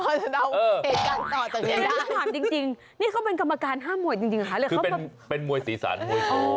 พอจะดาวภาคให้ดาวต่อจากนี้ได้